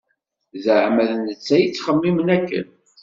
Zeɛma d netta i yettxemmimen akken.